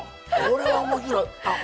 これは面白い！